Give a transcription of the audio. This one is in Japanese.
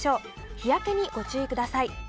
日焼けにご注意ください。